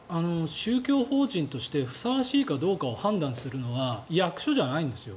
宗教法人としてふさわしいかどうかを判断するのは役所じゃないんですよ。